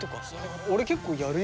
俺結構やるよ。